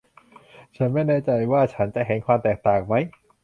ฉันไม่แน่ใจว่าฉันจะเห็นความแตกต่างมั้ย